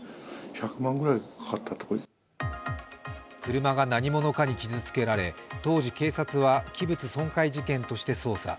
車が何者かに傷つけられ、当時警察は器物損壊事件として捜査。